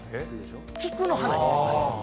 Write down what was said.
菊の花になります。